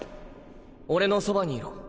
俺のそばにいろ。